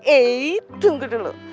eyy tunggu dulu